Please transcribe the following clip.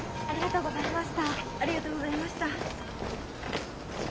ありがとうございます。